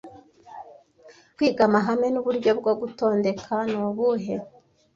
Kwiga amahame nuburyo bwo gutondeka ni ubuhe